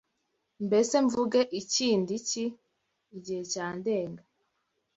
Mbese mvuge kindi ki? Igihe cyandenga